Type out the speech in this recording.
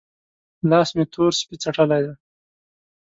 لاس مې تور سپۍ څټلی دی؟